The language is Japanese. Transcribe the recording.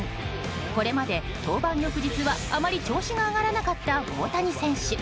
これまで登板翌日はあまり調子が上がらなかった大谷選手。